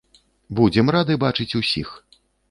Будзем рады бачыць усіх.